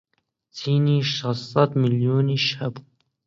چینی شەشسەد ملیۆنیش هەبوو